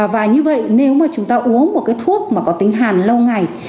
và như vậy nếu mà chúng ta uống một cái thuốc mà có tính hàn lâu ngày